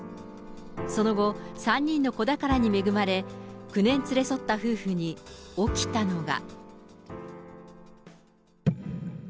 その後、３人の子宝に恵まれ、９年連れ添った夫婦に起きたのが。